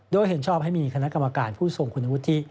โดยเห็นชอบให้มีคณะกรรมการผู้ทรงคุณวุฒิ